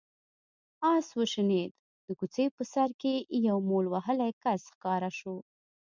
آس وشڼېد، د کوڅې په سر کې يو مول وهلی کس ښکاره شو.